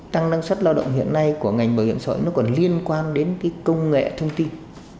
tăng năng suất lao động hiện nay của ngành bảo hiểm xã hội nó còn liên quan đến công nghệ thông tin